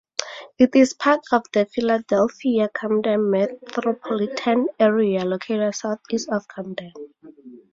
It is part of the Philadelphia-Camden metropolitan area, located southeast of Camden.